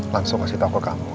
langsung ngasih tau ke kamu